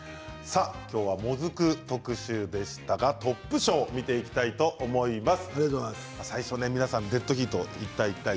きょうは、もずく特集でしたがトップ賞を見ていきたいと思います。